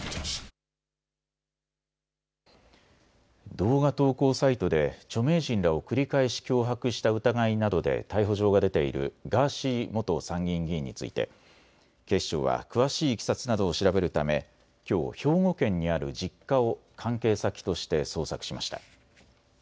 動画投稿サイトで著名人らを繰り返し脅迫した疑いなどで逮捕状が出ているガーシー元参議院議員について警視庁は詳しいいきさつなどを調べるため、きょう兵庫県にある実家を関係先として捜索しました。